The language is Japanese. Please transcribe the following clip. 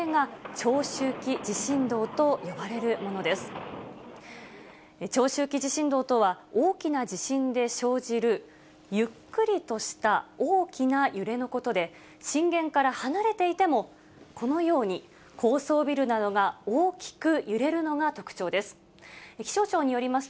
長周期地震動とは、大きな地震で生じる、ゆっくりとした大きな揺れのことで、震源から離れていても、このように、高層ビルなどが大きく揺れるのが特徴です。